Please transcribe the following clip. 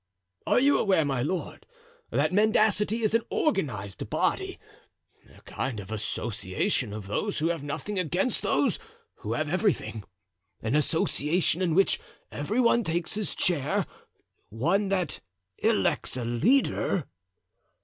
"Are you aware, my lord, that mendacity is an organized body, a kind of association of those who have nothing against those who have everything; an association in which every one takes his share; one that elects a leader?"